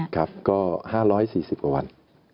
ก็๕๔๐กว่าวัน